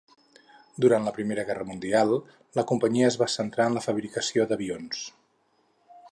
Durant la Primera Guerra Mundial la companyia es va centrar en la fabricació d'avions.